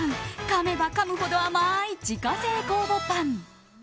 かめばかむほど甘い自家製酵母パン。